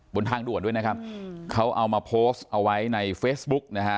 บนทางด่วนด้วยนะครับเขาเอามาโพสต์เอาไว้ในเฟซบุ๊กนะฮะ